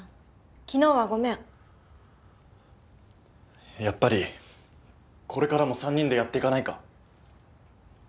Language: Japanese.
昨日はごめんやっぱりこれからも３人でやっていかないか？